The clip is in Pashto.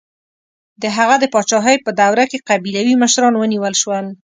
د هغه د پاچاهۍ په دوره کې قبیلوي مشران ونیول شول.